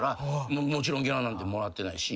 もちろんギャラなんてもらってないし